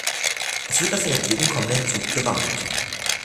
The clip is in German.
Es wird auf den entgegen kommenden Zug gewartet.